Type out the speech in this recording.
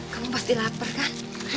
kamu pasti lapar kan